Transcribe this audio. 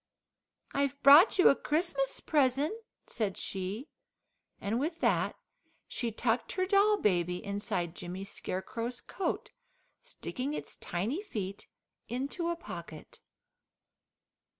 "I've brought you a Christmas present," said she, and with that she tucked her doll baby inside Jimmy Scarecrow's coat, sticking its tiny feet into a pocket.